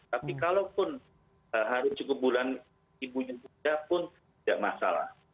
tapi kalaupun hari cukup bulan ibunya sudah pun tidak masalah